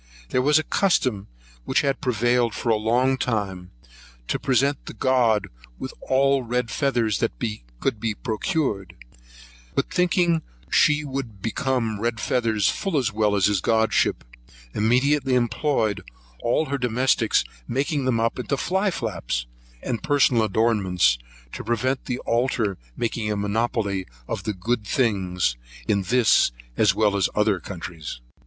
There was a custom which had prevailed for a long time, to present the god with all red feathers that could be procured; but thinking she would become red feathers full as well as his godship, immediately employed all her domestics making them up into fly flaps, and other personal ornaments, to prevent the altar making a monopoly of all the good things, in this, as well as in other countries.